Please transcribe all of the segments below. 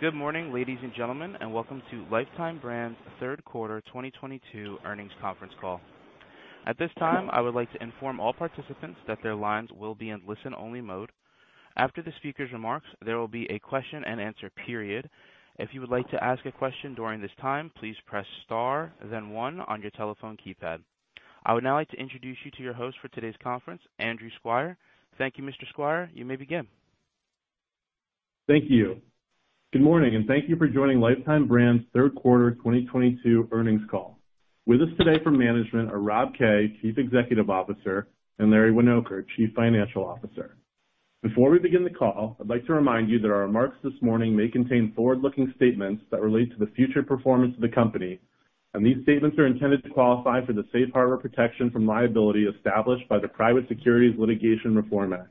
Good morning, ladies and gentlemen, and welcome to Lifetime Brands' third quarter 2022 earnings conference call. At this time, I would like to inform all participants that their lines will be in listen-only mode. After the speaker's remarks, there will be a question-and-answer period. If you would like to ask a question during this time, please press Star then one on your telephone keypad. I would now like to introduce you to your host for today's conference, Andrew Squire. Thank you, Mr. Squire. You may begin. Thank you. Good morning, and thank you for joining Lifetime Brands' third quarter 2022 earnings call. With us today for management are Rob Kay, Chief Executive Officer, and Larry Winoker, Chief Financial Officer. Before we begin the call, I'd like to remind you that our remarks this morning may contain forward-looking statements that relate to the future performance of the company, and these statements are intended to qualify for the safe harbor protection from liability established by the Private Securities Litigation Reform Act.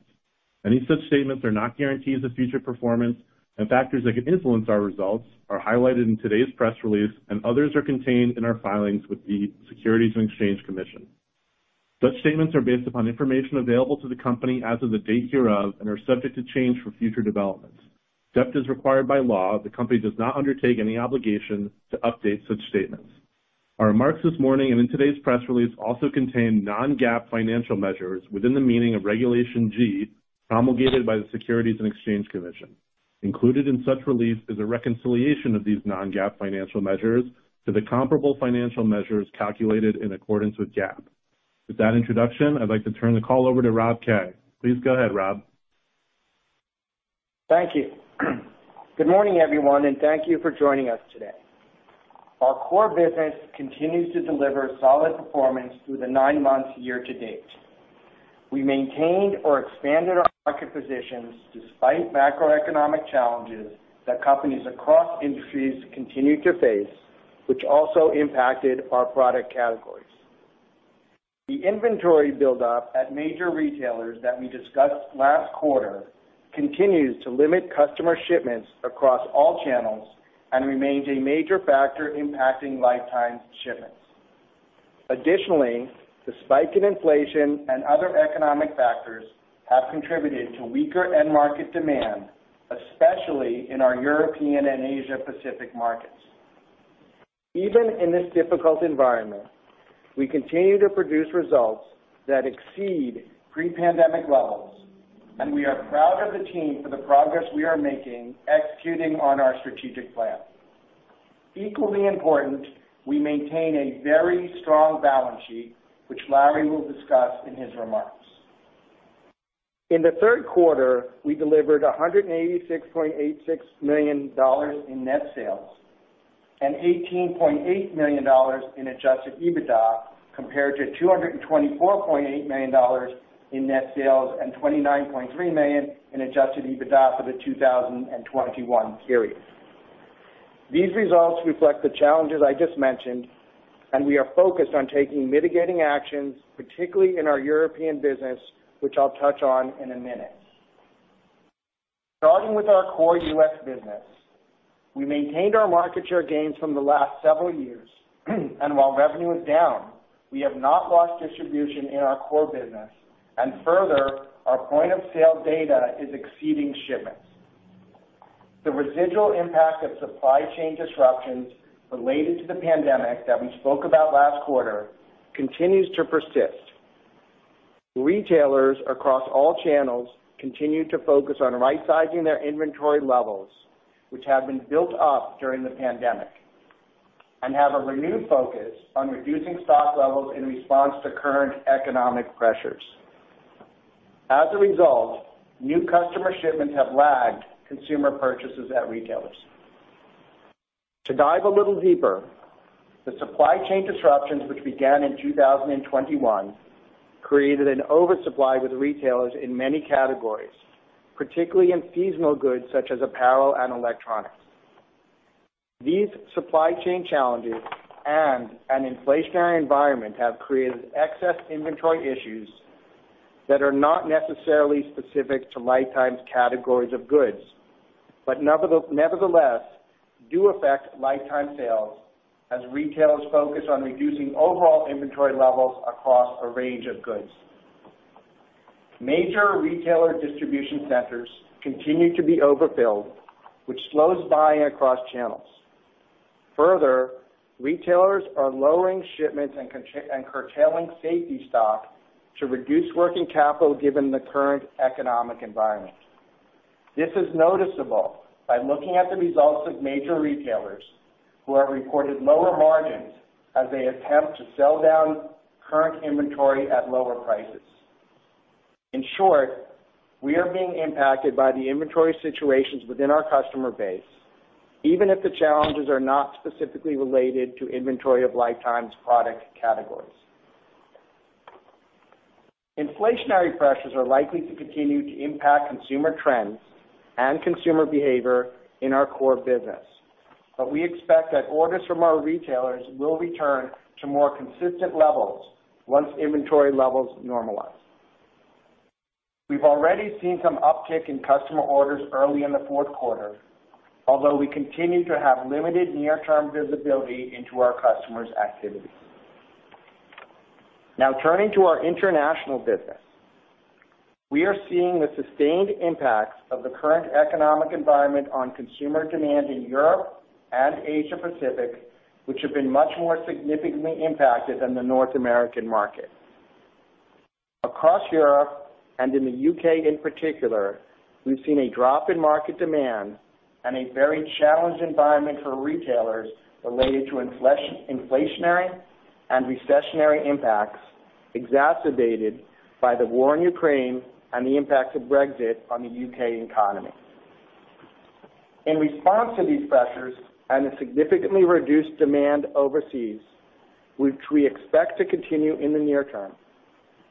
Any such statements are not guarantees of future performance, and factors that could influence our results are highlighted in today's press release, and others are contained in our filings with the Securities and Exchange Commission. Such statements are based upon information available to the company as of the date hereof and are subject to change for future developments. Except as required by law, the company does not undertake any obligation to update such statements. Our remarks this morning and in today's press release also contain non-GAAP financial measures within the meaning of Regulation G promulgated by the Securities and Exchange Commission. Included in such release is a reconciliation of these non-GAAP financial measures to the comparable financial measures calculated in accordance with GAAP. With that introduction, I'd like to turn the call over to Rob Kay. Please go ahead, Rob. Thank you. Good morning, everyone, and thank you for joining us today. Our core business continues to deliver solid performance through the nine months year-to-date. We maintained or expanded our market positions despite macroeconomic challenges that companies across industries continue to face, which also impacted our product categories. The inventory buildup at major retailers that we discussed last quarter continues to limit customer shipments across all channels and remains a major factor impacting Lifetime's shipments. Additionally, the spike in inflation and other economic factors have contributed to weaker end market demand, especially in our European and Asia Pacific markets. Even in this difficult environment, we continue to produce results that exceed pre-pandemic levels, and we are proud of the team for the progress we are making executing on our strategic plan. Equally important, we maintain a very strong balance sheet, which Larry will discuss in his remarks. In the third quarter, we delivered $186.86 million in net sales and $18.8 million in adjusted EBITDA compared to $224.8 million in net sales and $29.3 million in adjusted EBITDA for the 2021 period. These results reflect the challenges I just mentioned, and we are focused on taking mitigating actions, particularly in our European business, which I'll touch on in a minute. Starting with our core U.S. business, we maintained our market share gains from the last several years. While revenue is down, we have not lost distribution in our core business. Further, our point of sale data is exceeding shipments. The residual impact of supply chain disruptions related to the pandemic that we spoke about last quarter continues to persist. Retailers across all channels continue to focus on rightsizing their inventory levels, which have been built up during the pandemic and have a renewed focus on reducing stock levels in response to current economic pressures. As a result, new customer shipments have lagged consumer purchases at retailers. To dive a little deeper, the supply chain disruptions which began in 2021 created an oversupply with retailers in many categories, particularly in feasible goods such as apparel and electronics. These supply chain challenges and an inflationary environment have created excess inventory issues that are not necessarily specific to Lifetime's categories of goods, but nevertheless do affect Lifetime sales as retailers focus on reducing overall inventory levels across a range of goods. Major retailer distribution centers continue to be overfilled, which slows buying across channels. Further, retailers are lowering shipments and curtailing safety stock to reduce working capital given the current economic environment. This is noticeable by looking at the results of major retailers who have reported lower margins as they attempt to sell down current inventory at lower prices. In short, we are being impacted by the inventory situations within our customer base, even if the challenges are not specifically related to inventory of Lifetime's product categories. Inflationary pressures are likely to continue to impact consumer trends and consumer behavior in our core business, but we expect that orders from our retailers will return to more consistent levels once inventory levels normalize. We've already seen some uptick in customer orders early in the fourth quarter, although we continue to have limited near-term visibility into our customers' activities. Now turning to our international business. We are seeing the sustained impacts of the current economic environment on consumer demand in Europe and Asia Pacific, which have been much more significantly impacted than the North American market. Across Europe and in the U.K. in particular, we've seen a drop in market demand and a very challenged environment for retailers related to inflationary and recessionary impacts exacerbated by the war in Ukraine and the impacts of Brexit on the U.K. economy. In response to these pressures and a significantly reduced demand overseas, which we expect to continue in the near term,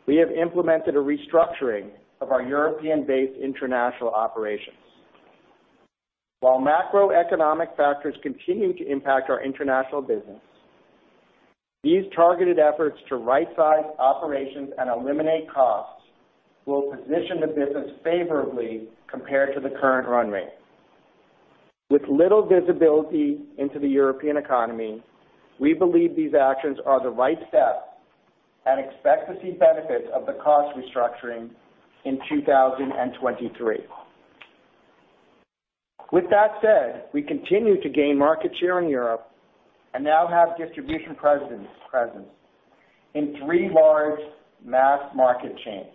we have implemented a restructuring of our European-based international operations. While macroeconomic factors continue to impact our international business, these targeted efforts to right-size operations and eliminate costs will position the business favorably compared to the current run rate. With little visibility into the European economy, we believe these actions are the right step and expect to see benefits of the cost restructuring in 2023. With that said, we continue to gain market share in Europe and now have distribution presence in three large mass-market chains.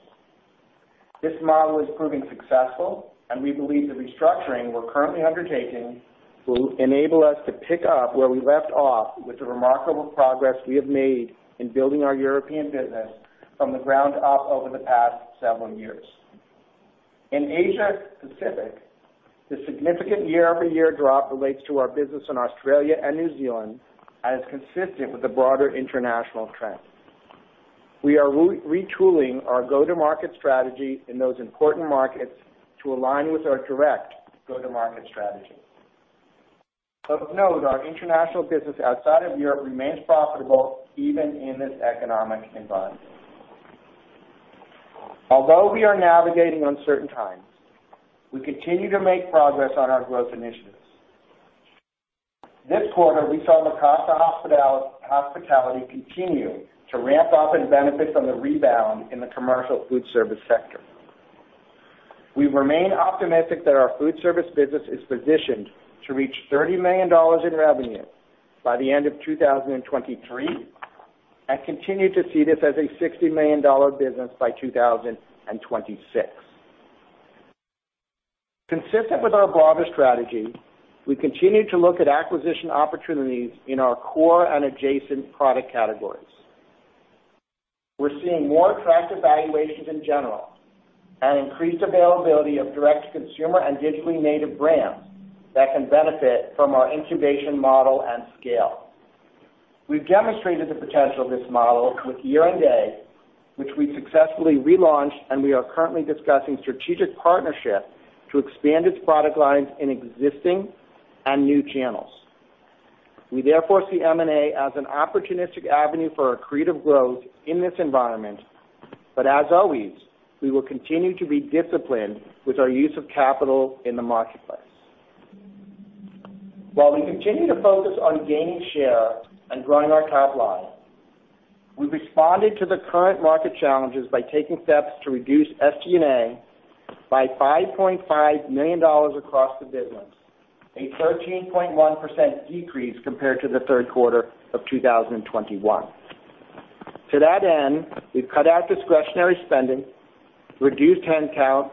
This model is proving successful, and we believe the restructuring we're currently undertaking will enable us to pick up where we left off with the remarkable progress we have made in building our European business from the ground up over the past several years. In Asia Pacific, the significant year-over-year drop relates to our business in Australia and New Zealand as consistent with the broader international trend. We are retooling our go-to-market strategy in those important markets to align with our direct go-to-market strategy. Of note, our international business outside of Europe remains profitable even in this economic environment. Although we are navigating uncertain times, we continue to make progress on our growth initiatives. This quarter, we saw Mikasa Hospitality continue to ramp up and benefit from the rebound in the commercial food service sector. We remain optimistic that our food service business is positioned to reach $30 million in revenue by the end of 2023 and continue to see this as a $60 million business by 2026. Consistent with our broader strategy, we continue to look at acquisition opportunities in our core and adjacent product categories. We're seeing more attractive valuations in general and increased availability of direct consumer and digitally native brands that can benefit from our incubation model and scale. We've demonstrated the potential of this model with Year & Day, which we successfully relaunched, and we are currently discussing strategic partnership to expand its product lines in existing and new channels. We therefore see M&A as an opportunistic avenue for accretive growth in this environment. As always, we will continue to be disciplined with our use of capital in the marketplace. While we continue to focus on gaining share and growing our top line, we responded to the current market challenges by taking steps to reduce SG&A by $5.5 million across the business, a 13.1% decrease compared to the third quarter of 2021. To that end, we've cut out discretionary spending, reduced head count,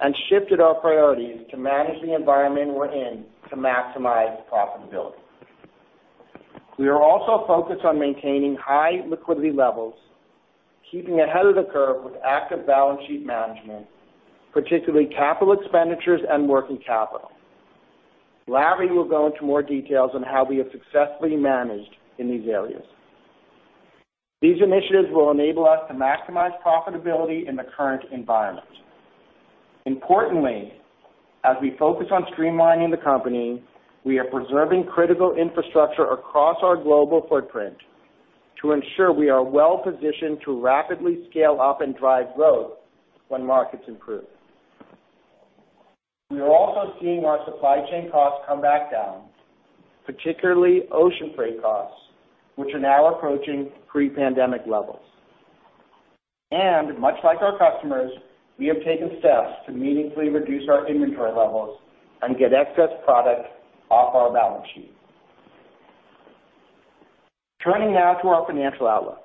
and shifted our priorities to manage the environment we're in to maximize profitability. We are also focused on maintaining high liquidity levels, keeping ahead of the curve with active balance sheet management, particularly capital expenditures and working capital. Larry will go into more details on how we have successfully managed in these areas. These initiatives will enable us to maximize profitability in the current environment. Importantly, as we focus on streamlining the company, we are preserving critical infrastructure across our global footprint to ensure we are well-positioned to rapidly scale up and drive growth when markets improve. We are also seeing our supply chain costs come back down, particularly ocean freight costs, which are now approaching pre-pandemic levels. Much like our customers, we have taken steps to meaningfully reduce our inventory levels and get excess product off our balance sheet. Turning now to our financial outlook.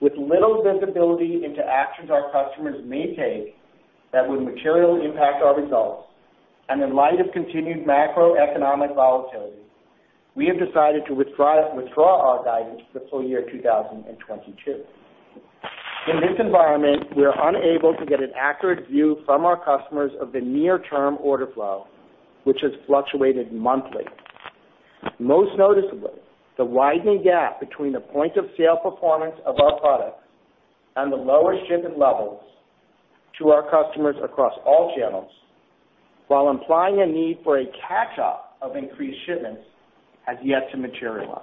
With little visibility into actions our customers may take that would materially impact our results, and in light of continued macroeconomic volatility, we have decided to withdraw our guidance for full year 2022. In this environment, we are unable to get an accurate view from our customers of the near-term order flow, which has fluctuated monthly. Most noticeably, the widening gap between the point of sale performance of our products and the lower shipment levels to our customers across all channels, while implying a need for a catch-up of increased shipments, has yet to materialize.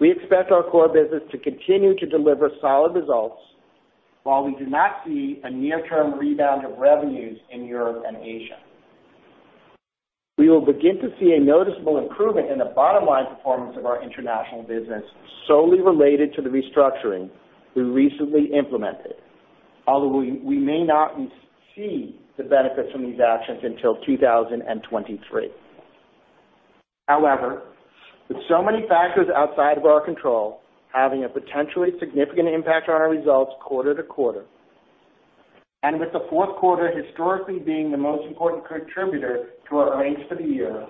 We expect our core business to continue to deliver solid results while we do not see a near-term rebound of revenues in Europe and Asia. We will begin to see a noticeable improvement in the bottom line performance of our international business solely related to the restructuring we recently implemented, although we may not see the benefits from these actions until 2023. However, with so many factors outside of our control having a potentially significant impact on our results quarter to quarter, and with the fourth quarter historically being the most important contributor to our earnings for the year,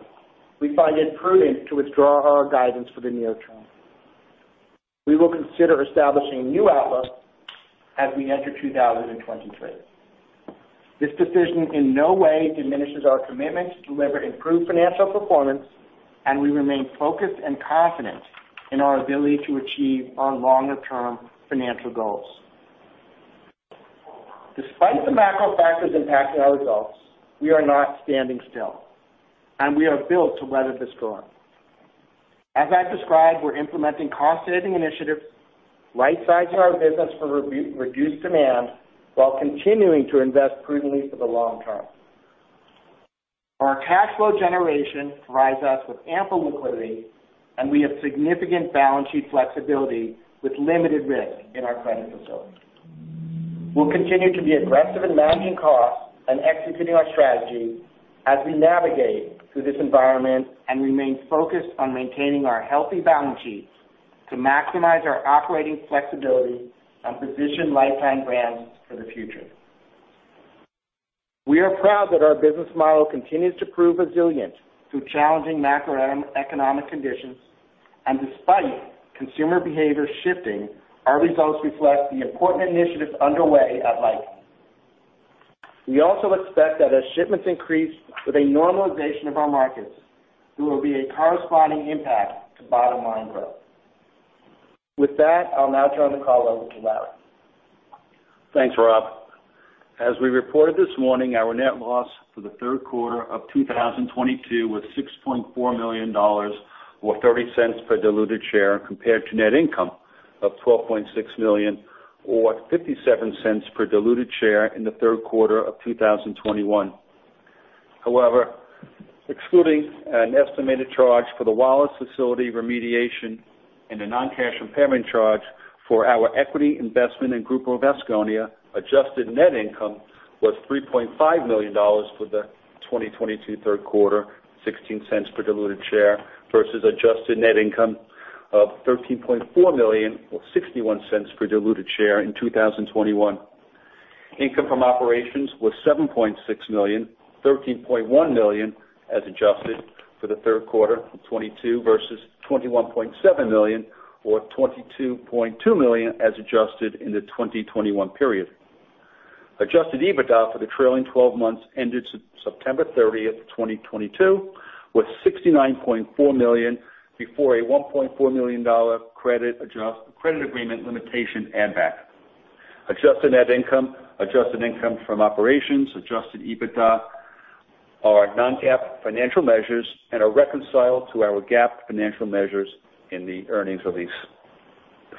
we find it prudent to withdraw our guidance for the near term. We will consider establishing a new outlook as we enter 2023. This decision in no way diminishes our commitment to deliver improved financial performance, and we remain focused and confident in our ability to achieve our longer-term financial goals. Despite the macro factors impacting our results, we are not standing still, and we are built to weather the storm. As I described, we're implementing cost-saving initiatives, right-sizing our business for reduced demand while continuing to invest prudently for the long term. Our cash flow generation provides us with ample liquidity, and we have significant balance sheet flexibility with limited risk in our credit facilities. We'll continue to be aggressive in managing costs and executing our strategy as we navigate through this environment and remain focused on maintaining our healthy balance sheets to maximize our operating flexibility and position Lifetime Brands for the future. We are proud that our business model continues to prove resilient through challenging macroeconomic conditions. Despite consumer behavior shifting, our results reflect the important initiatives underway at Lifetime. We also expect that as shipments increase with a normalization of our markets, there will be a corresponding impact to bottom-line growth. With that, I'll now turn the call over to Larry. Thanks, Rob. As we reported this morning, our net loss for the third quarter of 2022 was $6.4 million or $0.30 per diluted share compared to net income of $12.6 million or $0.57 per diluted share in the third quarter of 2021. However, excluding an estimated charge for the Wallace facility remediation and a non-cash impairment charge for our equity investment in Grupo Vasconia, adjusted net income was $3.5 million for the 2022 third quarter, $0.16 per diluted share versus adjusted net income of $13.4 million, or $0.61 per diluted share in 2021. Income from operations was $7.6 million, $13.1 million as adjusted for the third quarter of 2022 versus $21.7 million or $22.2 million as adjusted in the 2021 period. Adjusted EBITDA for the trailing 12 months ended September 30th, 2022 was $69.4 million before a $1.4 million credit agreement limitation add back. Adjusted net income, adjusted income from operations, adjusted EBITDA are non-GAAP financial measures and are reconciled to our GAAP financial measures in the earnings release.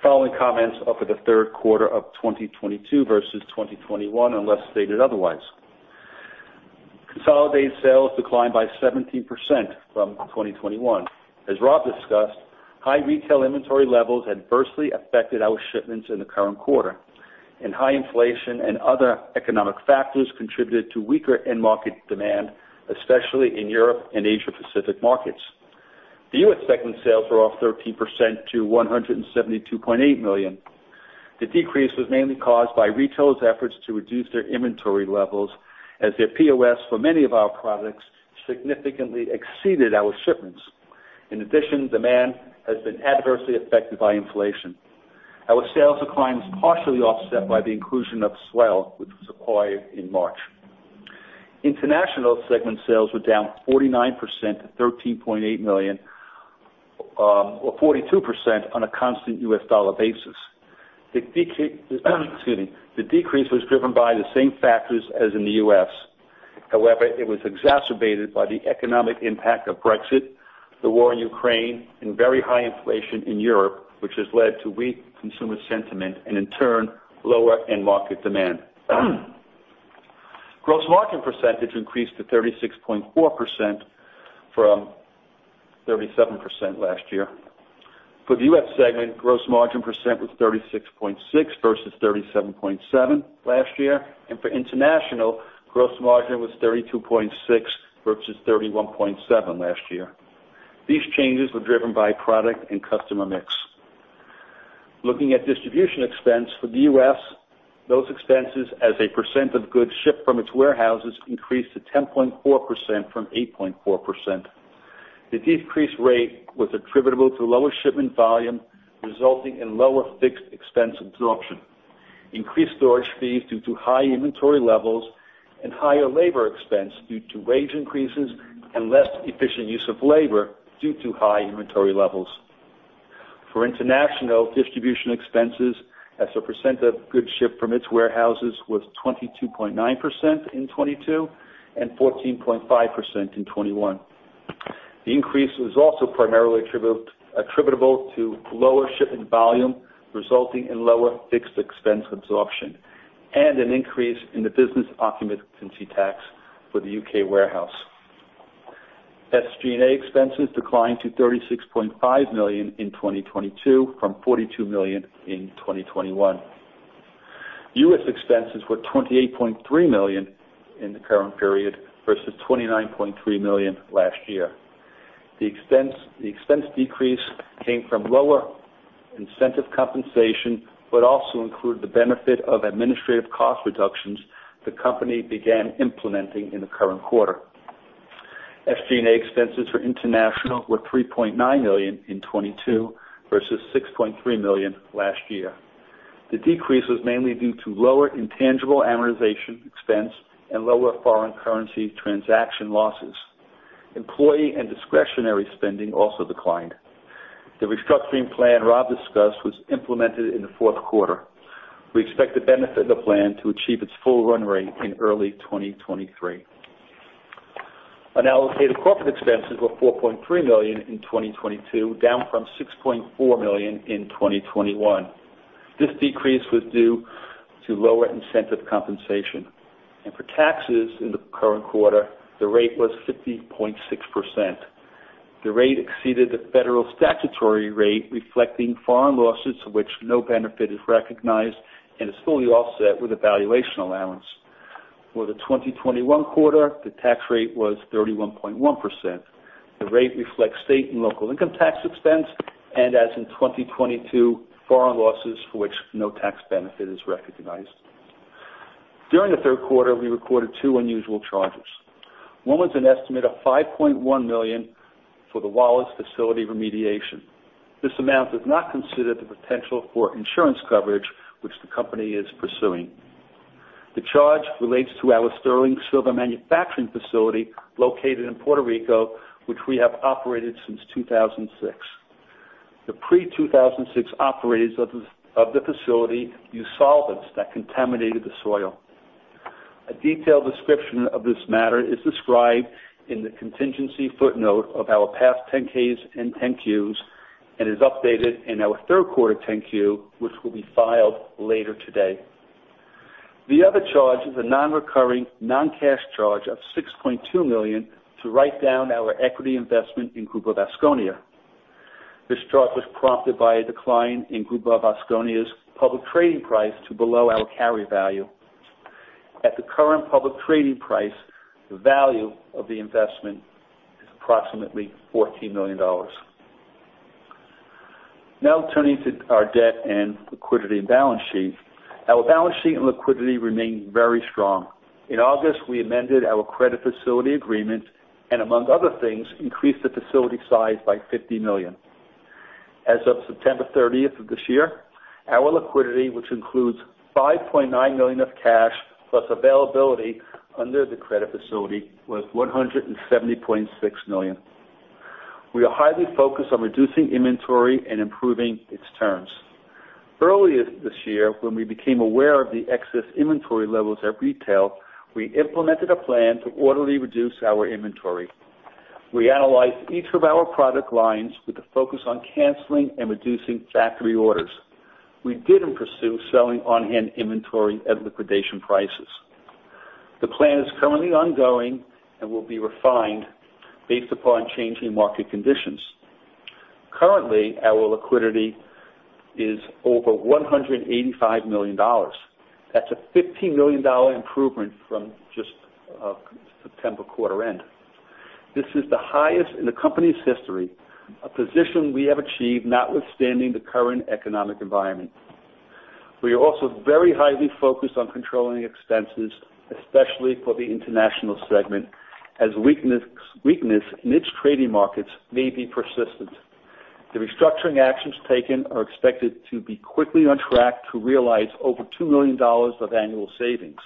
The following comments are for the third quarter of 2022 versus 2021, unless stated otherwise. Consolidated sales declined by 17% from 2021. As Rob discussed, high retail inventory levels adversely affected our shipments in the current quarter, and high inflation and other economic factors contributed to weaker end market demand, especially in Europe and Asia Pacific markets. The US segment sales were off 13% to $172.8 million. The decrease was mainly caused by retailers' efforts to reduce their inventory levels as their POS for many of our products significantly exceeded our shipments. In addition, demand has been adversely affected by inflation. Our sales decline was partially offset by the inclusion of S'well, which was acquired in March. International segment sales were down 49% to $13.8 million, or 42% on a constant U.S. dollar basis. The decrease was driven by the same factors as in the U.S. However, it was exacerbated by the economic impact of Brexit, the war in Ukraine and very high inflation in Europe, which has led to weak consumer sentiment and in turn, lower end market demand. Gross margin percentage increased to 36.4% from 37% last year. For the U.S. segment, gross margin % was 36.6% versus 37.7% last year. For international, gross margin was 32.6% versus 31.7% last year. These changes were driven by product and customer mix. Looking at distribution expense for the U.S., those expenses as a percent of goods shipped from its warehouses increased to 10.4% from 8.4%. The decreased rate was attributable to lower shipment volume, resulting in lower fixed expense absorption, increased storage fees due to high inventory levels, and higher labor expense due to wage increases and less efficient use of labor due to high inventory levels. For international, distribution expenses as a percent of goods shipped from its warehouses was 22.9% in 2022 and 14.5% in 2021. The increase was also primarily attributable to lower shipping volume, resulting in lower fixed expense absorption and an increase in the business occupancy tax for the U.K. warehouse. SG&A expenses declined to $36.5 million in 2022 from $42 million in 2021. U.S. expenses were $28.3 million in the current period versus $29.3 million last year. The expense decrease came from lower incentive compensation, but also included the benefit of administrative cost reductions the company began implementing in the current quarter. SG&A expenses for international were $3.9 million in 2022 versus $6.3 million last year. The decrease was mainly due to lower intangible amortization expense and lower foreign currency transaction losses. Employee and discretionary spending also declined. The restructuring plan Rob discussed was implemented in the fourth quarter. We expect the benefit of the plan to achieve its full run rate in early 2023. Unallocated corporate expenses were $4.3 million in 2022, down from $6.4 million in 2021. This decrease was due to lower incentive compensation. For taxes in the current quarter, the rate was 50.6%. The rate exceeded the federal statutory rate, reflecting foreign losses for which no benefit is recognized and is fully offset with a valuation allowance. For the 2021 quarter, the tax rate was 31.1%. The rate reflects state and local income tax expense and, as in 2022, foreign losses for which no tax benefit is recognized. During the third quarter, we recorded two unusual charges. One was an estimate of $5.1 million for the Wallace facility remediation. This amount does not consider the potential for insurance coverage which the company is pursuing. The charge relates to our Sterling Silver manufacturing facility located in Puerto Rico, which we have operated since 2006. The pre-2006 operators of the facility used solvents that contaminated the soil. A detailed description of this matter is described in the contingency footnote of our past 10-Ks and 10-Qs, and is updated in our third quarter 10-Q, which will be filed later today. The other charge is a non-recurring, non-cash charge of $6.2 million to write down our equity investment in Grupo Vasconia. This charge was prompted by a decline in Grupo Vasconia's public trading price to below our carrying value. At the current public trading price, the value of the investment is approximately $14 million. Now turning to our debt and liquidity balance sheet. Our balance sheet and liquidity remain very strong. In August, we amended our credit facility agreement and among other things, increased the facility size by $50 million. As of September 30th of this year, our liquidity, which includes $5.9 million of cash plus availability under the credit facility, was $170.6 million. We are highly focused on reducing inventory and improving its terms. Early this year, when we became aware of the excess inventory levels at retail, we implemented a plan to orderly reduce our inventory. We analyzed each of our product lines with a focus on canceling and reducing factory orders. We didn't pursue selling on-hand inventory at liquidation prices. The plan is currently ongoing and will be refined based upon changing market conditions. Currently, our liquidity is over $185 million. That's a $15 million improvement from just September quarter end. This is the highest in the company's history, a position we have achieved notwithstanding the current economic environment. We are also very highly focused on controlling expenses, especially for the international segment, as weakness in its trading markets may be persistent. The restructuring actions taken are expected to be quickly on track to realize over $2 million of annual savings.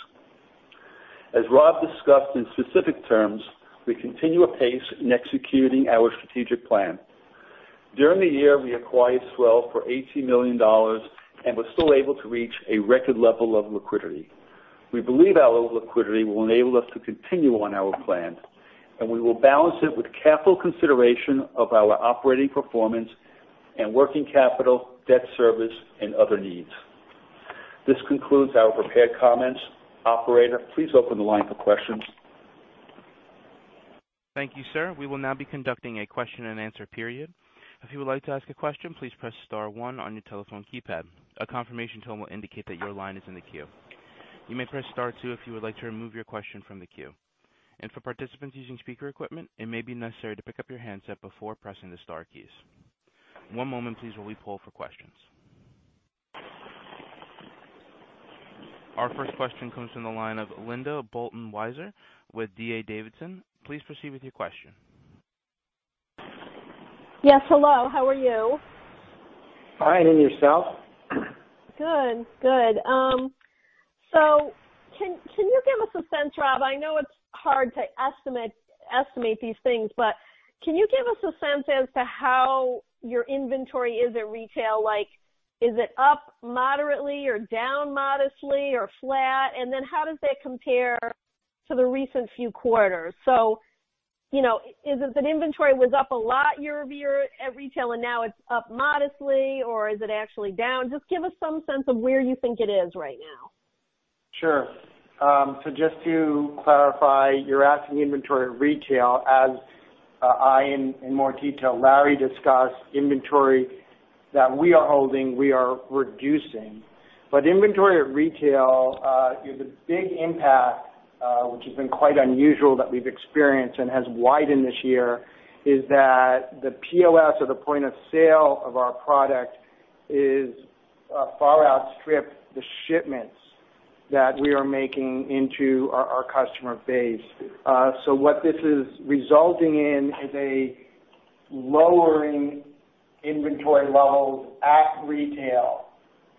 As Rob discussed in specific terms, we continue apace in executing our strategic plan. During the year, we acquired S'well for $18 million and were still able to reach a record level of liquidity. We believe our liquidity will enable us to continue on our plan, and we will balance it with careful consideration of our operating performance and working capital, debt service, and other needs. This concludes our prepared comments. Operator, please open the line for questions. Thank you, sir. We will now be conducting a question and answer period. If you would like to ask a question, please press star one on your telephone keypad. A confirmation tone will indicate that your line is in the queue. You may press star two if you would like to remove your question from the queue. For participants using speaker equipment, it may be necessary to pick up your handset before pressing the star keys. One moment please, while we poll for questions. Our first question comes from the line of Linda Bolton Weiser with D.A. Davidson. Please proceed with your question. Yes, hello. How are you? Fine. Yourself? Can you give us a sense, Rob? I know it's hard to estimate these things, but can you give us a sense as to how your inventory is at retail? Like, is it up moderately or down modestly or flat? How does that compare to the recent few quarters? You know, is it that inventory was up a lot year-over-year at retail and now it's up modestly or is it actually down? Just give us some sense of where you think it is right now. Sure. Just to clarify, you're asking inventory at retail. In more detail, Larry discussed inventory that we are holding, we are reducing. Inventory at retail, the big impact, which has been quite unusual that we've experienced and has widened this year, is that the POS or the point of sale of our product is far outstripped the shipments that we are making into our customer base. What this is resulting in is a lowering inventory levels at retail.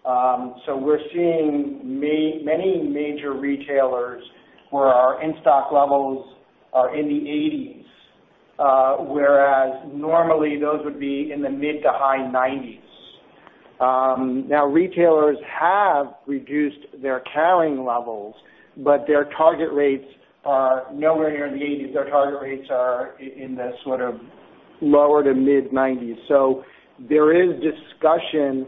We're seeing many major retailers where our in-stock levels are in the 80s, whereas normally those would be in the mid- to high 90s. Now retailers have reduced their carrying levels, but their target rates are nowhere near the 80s. Their target rates are in the sort of lower- to mid-90s. There is discussion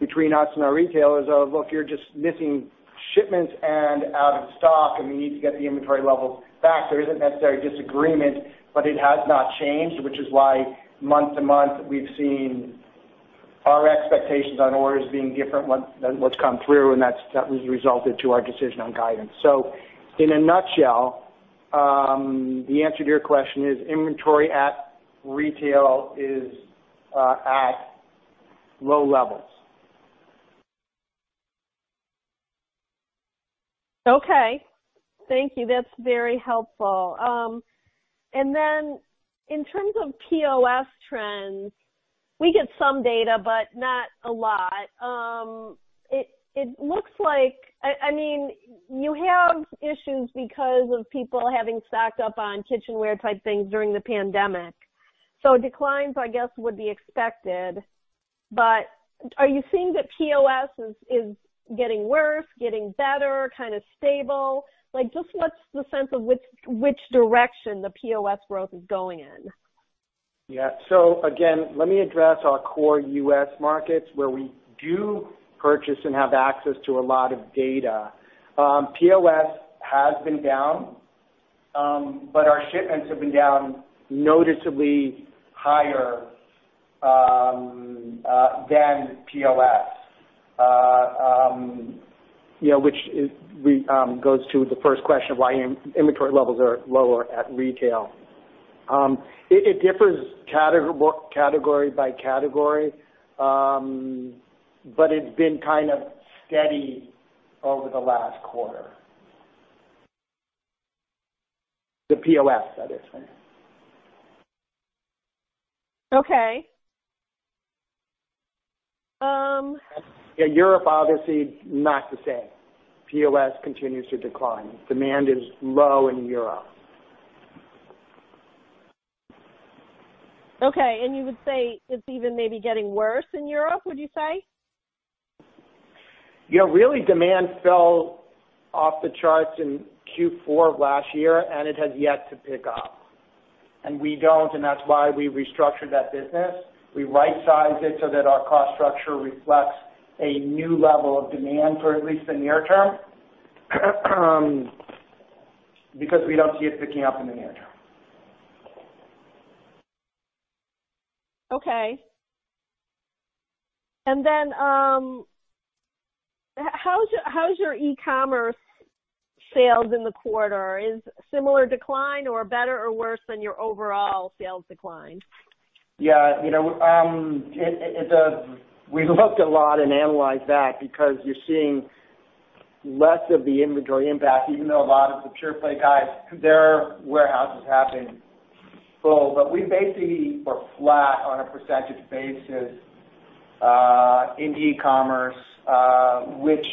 between us and our retailers of, "Look, you're just missing shipments and out of stock, and we need to get the inventory levels back." There isn't necessarily disagreement, but it has not changed, which is why month to month, we've seen our expectations on orders being different than what's come through, and that has resulted to our decision on guidance. In a nutshell, the answer to your question is inventory at retail is at low levels. Okay. Thank you. That's very helpful. In terms of POS trends, we get some data, but not a lot. It looks like, I mean, you have issues because of people having stocked up on kitchenware type things during the pandemic. Declines, I guess, would be expected. Are you seeing that POS is getting worse, getting better, kind of stable? Like, just what's the sense of which direction the POS growth is going in? Yeah. Again, let me address our core U.S. markets where we do purchase and have access to a lot of data. POS has been down, but our shipments have been down noticeably higher than POS. You know, which goes to the first question of why inventory levels are lower at retail. It differs category by category, but it's been kind of steady over the last quarter. The POS, that is. Okay. Yeah, Europe, obviously not the same. POS continues to decline. Demand is low in Europe. Okay. You would say it's even maybe getting worse in Europe, would you say? Yeah, really, demand fell off the charts in Q4 of last year, and it has yet to pick up. We don't, and that's why we restructured that business. We right-sized it so that our cost structure reflects a new level of demand for at least the near term, because we don't see it picking up in the near term. Okay. How's your e-commerce sales in the quarter? Is similar decline or better or worse than your overall sales decline? Yeah. You know, we looked a lot and analyzed that because you're seeing less of the inventory impact, even though a lot of the pure play guys, their warehouses have been full. We basically were flat on a percentage basis in e-commerce, which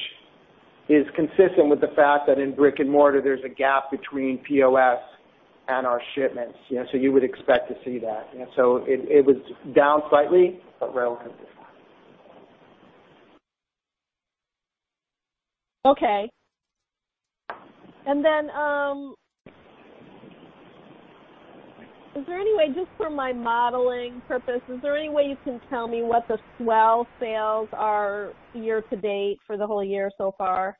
is consistent with the fact that in brick and mortar, there's a gap between POS and our shipments. You know, you would expect to see that. It was down slightly but relatively flat. Okay. Is there any way, just for my modeling purpose, is there any way you can tell me what the S'well sales are year to date for the whole year so far?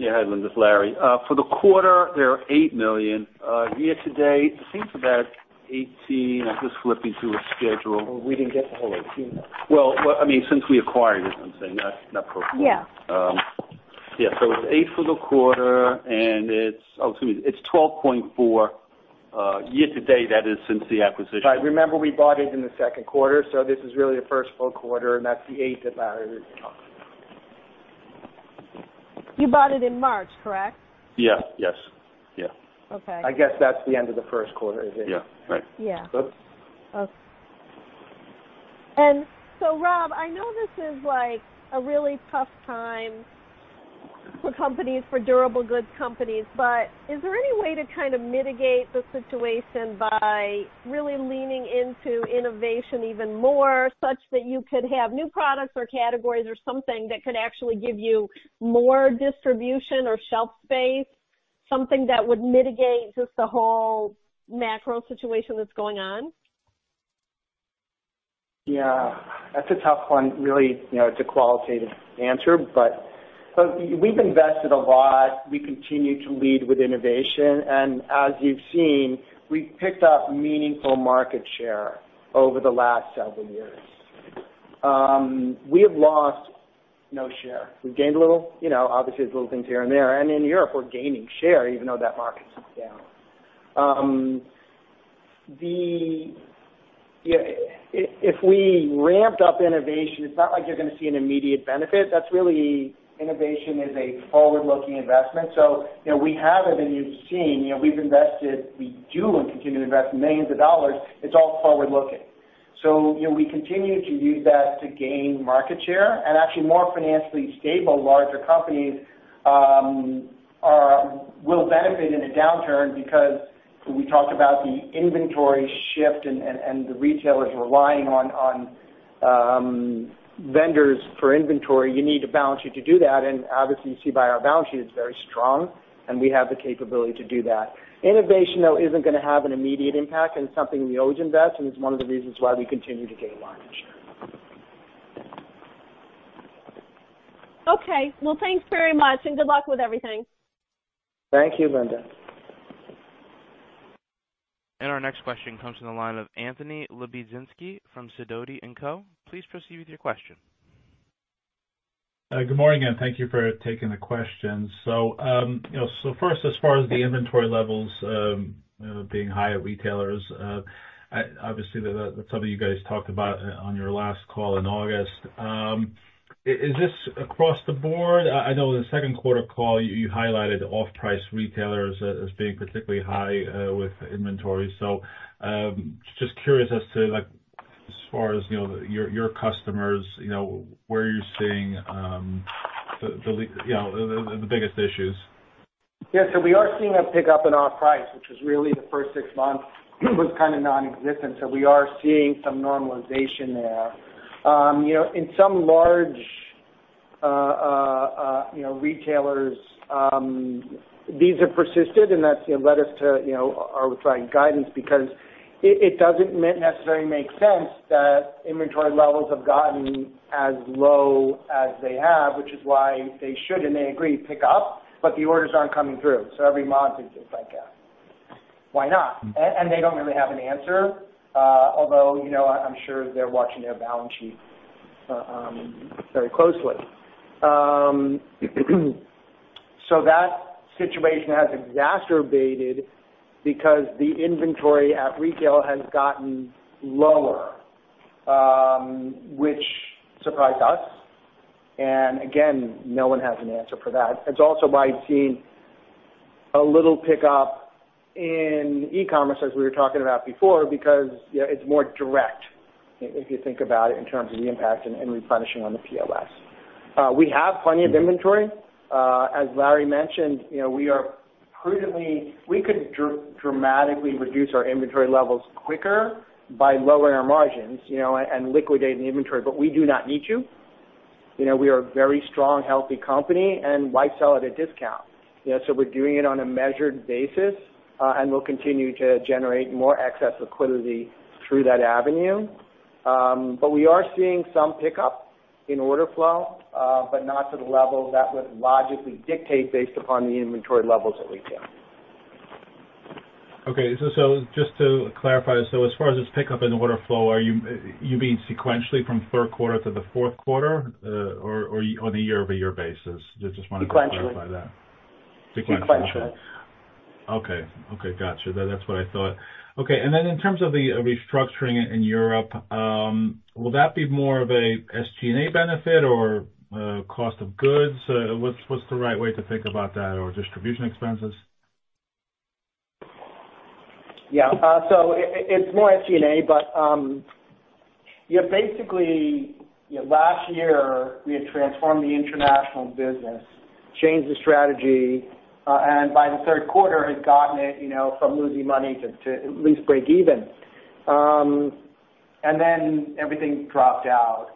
Hi, Linda. It's Larry. For the quarter, they are $8 million. Year to date, it seems about $18 million. I'm just flipping through a schedule. We didn't get the whole 18, though. Well, well, I mean, since we acquired it, I'm saying not pro forma. Yeah. It's eight for the quarter. It's 12.4 year to date. That is since the acquisition. Remember, we bought it in the second quarter, so this is really the first full quarter, and that's the eight that Larry is talking about. You bought it in March, correct? Yeah. Yes. Yeah. Okay. I guess that's the end of the first quarter, is it? Yeah. Right. Yeah. Oops. Okay. Rob, I know this is, like, a really tough time for companies, for durable goods companies. Is there any way to kind of mitigate the situation by really leaning into innovation even more, such that you could have new products or categories or something that could actually give you more distribution or shelf space, something that would mitigate just the whole macro situation that's going on? Yeah, that's a tough one, really. You know, it's a qualitative answer, but we've invested a lot. We continue to lead with innovation, and as you've seen, we've picked up meaningful market share over the last several years. We have lost no share. We've gained a little. You know, obviously, there's little things here and there, and in Europe, we're gaining share even though that market's down. Yeah, if we ramped up innovation, it's not like you're gonna see an immediate benefit. That's really, innovation is a forward-looking investment. You know, we have, and you've seen, we've invested, we do and continue to invest millions of dollars. It's all forward looking. You know, we continue to use that to gain market share and actually more financially stable, larger companies will benefit in a downturn because we talked about the inventory shift and the retailers relying on vendors for inventory. You need a balance sheet to do that. Obviously, you see by our balance sheet, it's very strong, and we have the capability to do that. Innovation, though, isn't gonna have an immediate impact, and it's something we always invest, and it's one of the reasons why we continue to gain market share. Okay. Well, thanks very much and good luck with everything. Thank you, Linda. Our next question comes from the line of Anthony Lebiedzinski from Sidoti & Co. Please proceed with your question. Good morning, and thank you for taking the question. You know, so first, as far as the inventory levels being high at retailers, obviously that's something you guys talked about on your last call in August. Is this across the board? I know in the second quarter call you highlighted off-price retailers as being particularly high with inventory. Just curious as to, like, as far as, you know, your customers, you know, where are you seeing you know, the biggest issues? Yeah. We are seeing a pickup in off price, which is really the first six months was kind of nonexistent. We are seeing some normalization there. You know, in some large, you know, retailers, these have persisted and that's, you know, led us to, you know, our guidance because it doesn't necessarily make sense that inventory levels have gotten as low as they have, which is why they should and they agree pick up, but the orders aren't coming through. Every month it's just like, why not? And they don't really have an answer. Although, you know, I'm sure they're watching their balance sheet very closely. That situation has exacerbated because the inventory at retail has gotten lower, which surprised us. Again, no one has an answer for that. It's also why you've seen a little pickup in e-commerce as we were talking about before, because it's more direct if you think about it in terms of the impact and replenishing on the POS. We have plenty of inventory. As Larry mentioned, we could dramatically reduce our inventory levels quicker by lowering our margins and liquidating the inventory, but we do not need to. We are a very strong, healthy company and why sell at a discount? We're doing it on a measured basis, and we'll continue to generate more excess liquidity through that avenue. We are seeing some pickup in order flow, but not to the level that would logically dictate based upon the inventory levels at retail. Okay. Just to clarify, so as far as this pickup in order flow, are you mean sequentially from third quarter to the fourth quarter, or on a year-over-year basis? Just wanted to clarify that. Sequentially. Sequentially. Sequentially. Okay. Okay. Gotcha. That's what I thought. Okay. In terms of the restructuring in Europe, will that be more of a SG&A benefit or cost of goods? What's the right way to think about that or distribution expenses? Yeah. It's more SG&A, but yeah, basically, you know, last year we had transformed the international business, changed the strategy, and by the third quarter had gotten it, you know, from losing money to at least break even. Then everything dropped out.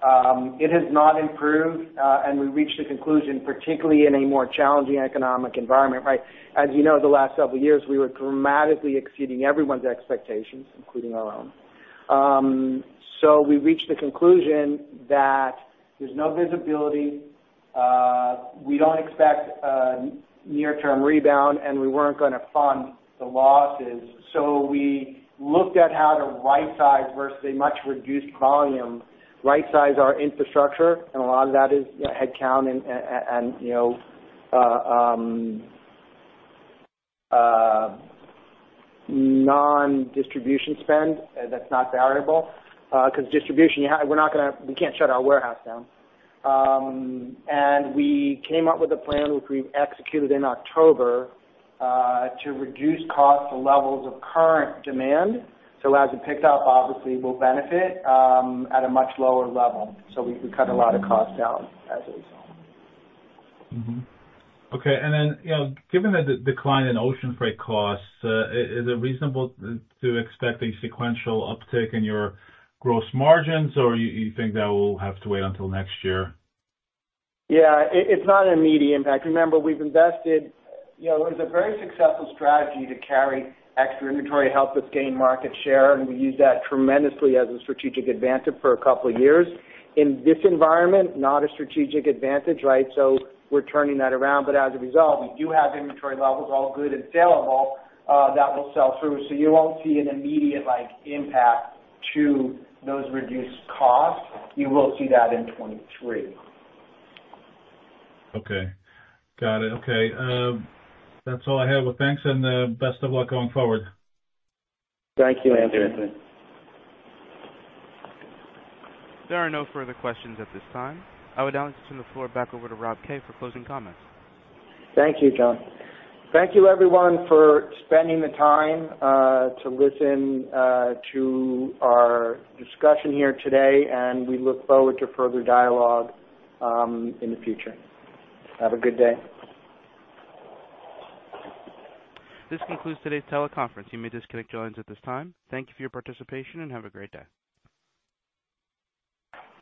It has not improved, and we reached a conclusion, particularly in a more challenging economic environment, right? As you know, the last several years we were dramatically exceeding everyone's expectations, including our own. We reached the conclusion that there's no visibility. We don't expect a near-term rebound, and we weren't gonna fund the losses. We looked at how to rightsize versus a much reduced volume, rightsize our infrastructure, and a lot of that is, you know, headcount and you know, non-distribution spend that's not variable. We can't shut our warehouse down. We came up with a plan, which we've executed in October, to reduce costs to levels of current demand. As it picked up, obviously we'll benefit at a much lower level. We cut a lot of costs down as a result. Mm-hmm. Okay. You know, given the decline in ocean freight costs, is it reasonable to expect a sequential uptick in your gross margins, or you think that will have to wait until next year? Yeah, it's not an immediate impact. Remember, we've invested, you know, it was a very successful strategy to carry extra inventory, help us gain market share, and we used that tremendously as a strategic advantage for a couple of years. In this environment, not a strategic advantage, right? We're turning that around, but as a result, we do have inventory levels, all good and sellable, that will sell through. You won't see an immediate like impact to those reduced costs. You will see that in 2023. Okay. Got it. Okay. That's all I have. Well, thanks and best of luck going forward. Thank you, Anthony. There are no further questions at this time. I would now like to turn the floor back over to Rob Kay for closing comments. Thank you, John. Thank you everyone for spending the time to listen to our discussion here today, and we look forward to further dialogue in the future. Have a good day. This concludes today's teleconference. You may disconnect your lines at this time. Thank you for your participation and have a great day.